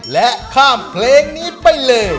และข้ามเพลงนี้ไปเลย